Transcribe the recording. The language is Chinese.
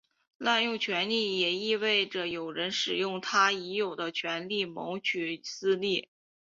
滥用权力也意味着有人使用他已有的权力谋取私利。